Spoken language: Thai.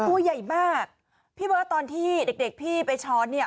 พี่ฟังว่าตอนที่เด็กพี่ไปช้อนเนี่ย